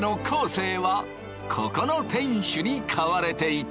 生はここの店主に買われていた！